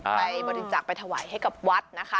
ไปบริจาคไปถวายให้กับวัดนะคะ